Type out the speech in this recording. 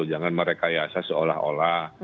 jangan merekayasa seolah olah